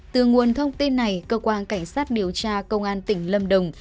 từ nguồn thông tin này cơ quan cảnh sát điều tra công an tỉnh lâm đồng